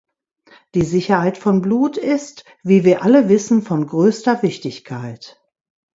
Die Sicherheit von Blut ist, wie wir alle wissen, von größter Wichtigkeit.